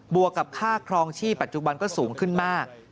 วกกับค่าครองชีพปัจจุบันก็สูงขึ้นมาก